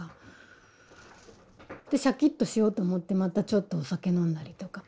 でシャキッとしようと思ってまたちょっとお酒飲んだりとか。